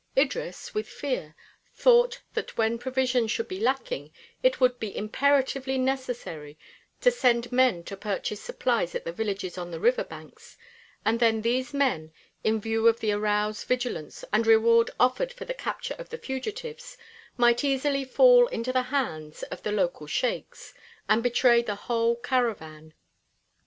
Idris, with fear, thought that when provisions should be lacking it would be imperatively necessary to send men to purchase supplies at the villages on the river banks, and then these men, in view of the aroused vigilance and reward offered for the capture of the fugitives, might easily fall into the hands of the local sheiks, and betray the whole caravan.